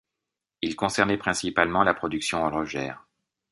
Il concernait principalement la production horlogère.